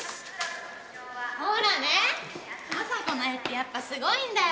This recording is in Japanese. ほらね麻子の絵ってやっぱすごいんだよ。